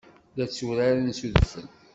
La tturaren s udfel.